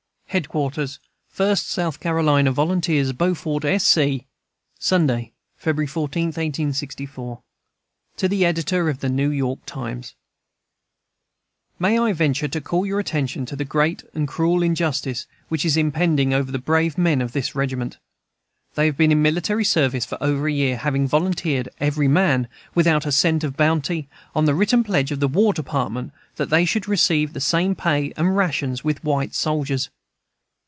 HEADQUARTERS FIRST SOUTH CAROLINA VOLUNTEERS, BEAUFORT, S. C., Sunday, February 14, 1864. To the Editor of the New York Times: May I venture to call your attention to the great and cruel injustice which is impending over the brave men of this regiment? They have been in military service for over a year, having volunteered, every man, without a cent of bounty, on the written pledge of the War Department that they should receive the same pay and rations with white soldiers.